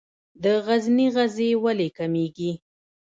د غزني غزې ولې کمیږي؟